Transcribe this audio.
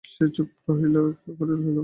সে চুপ করিয়া রহিল।